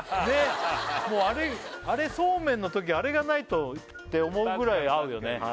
ねっあれそうめんのときあれがないとって思うぐらい合うよね